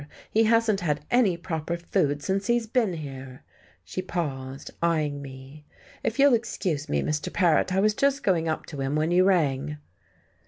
He hasn't had any proper food since he's be'n here!" She paused, eyeing me. "If you'll excuse me, Mr. Paret, I was just going up to him when you rang."